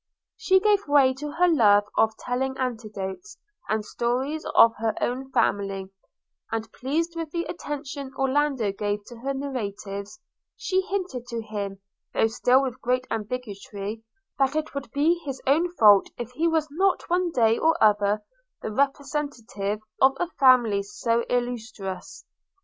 – She gave way to her love of telling anecdotes and stories of her own family; and, pleased with the attention Orlando gave to her narratives, she hinted to him, though still with great ambiguity, that it would be his own fault if he was not one day or other the representative of a family so illustrious.